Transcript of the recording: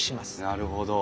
なるほど。